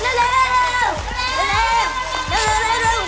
ไม่เป็นไรเสียบก่อน